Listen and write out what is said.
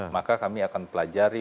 maka kami akan pelajari